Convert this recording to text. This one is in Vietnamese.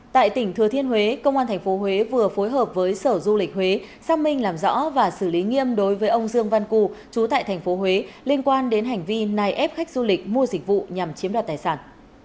tại tỉnh thừa thiên huế công an tp huế vừa phối hợp với sở du lịch huế xác minh làm rõ và xử lý nghiêm đối với ông dương văn cù chú tại tp huế liên quan đến hành vi néi ép khách du lịch mua dịch vụ nhằm chiếm đoạt tài sản